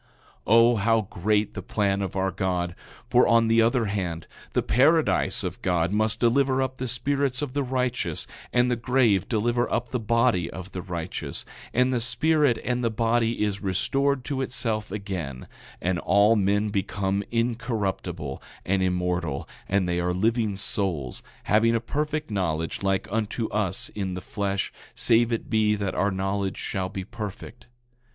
9:13 O how great the plan of our God! For on the other hand, the paradise of God must deliver up the spirits of the righteous, and the grave deliver up the body of the righteous; and the spirit and the body is restored to itself again, and all men become incorruptible, and immortal, and they are living souls, having a perfect knowledge like unto us in the flesh, save it be that our knowledge shall be perfect.